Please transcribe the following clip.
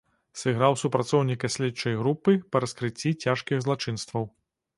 Сыграў супрацоўніка следчай групы па раскрыцці цяжкіх злачынстваў.